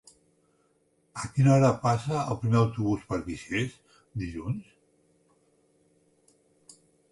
A quina hora passa el primer autobús per Guixers dilluns?